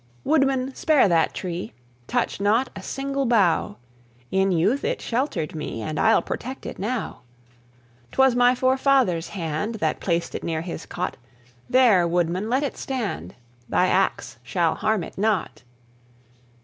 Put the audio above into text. Woodman, spare that tree! Touch not a single bough! In youth it sheltered me, And I'll protect it now. 'Twas my forefather's hand That placed it near his cot; There, woodman, let it stand, Thy ax shall harm it not.